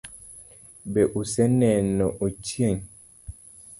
Be use neno Ochieng?